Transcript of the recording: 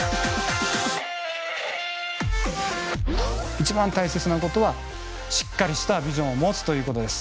一番大切なことはしっかりしたビジョンを持つということです。